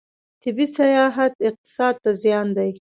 طبي سیاحت اقتصاد ته زیان دی.